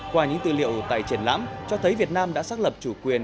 qua những tư liệu tại triển lãm cho thấy việt nam đã xác lập chủ quyền